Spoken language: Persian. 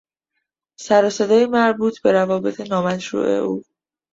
سر و صدای مربوط به روابط نامشروع او